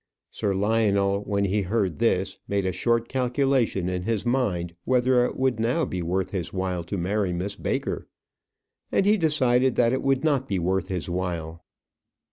Sir Lionel, when he heard this, made a short calculation in his mind whether it would now be worth his while to marry Miss Baker; and he decided that it would not be worth his while.